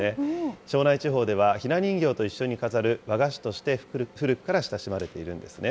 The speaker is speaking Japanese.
庄内地方では、ひな人形と一緒に飾る和菓子として古くから親しまれているんですね。